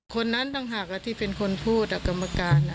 คนนั้นต่างหากที่เป็นคนพูดกรรมการ